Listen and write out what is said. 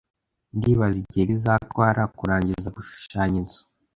Ndibaza igihe bizatwara kurangiza gushushanya inzu.